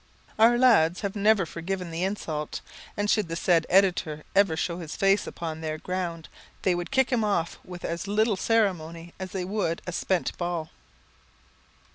Our lads have never forgiven the insult; and should the said editor ever show his face upon their ground, they would kick him off with as little ceremony as they would a spent ball.